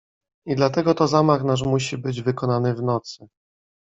"I dlatego to zamach nasz musi być wykonany w nocy."